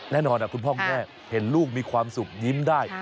แน่นอนคุณพ่อคุณแม่เห็นลูกมีความสุขยิ้มได้